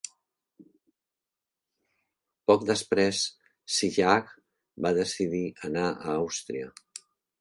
Poc després, Csillag va decidir anar a Àustria.